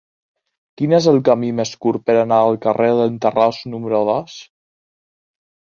Quin és el camí més curt per anar al carrer d'en Tarròs número dos?